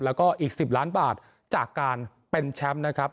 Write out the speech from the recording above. แล้วก็อีก๑๐ล้านบาทจากการเป็นแชมป์นะครับ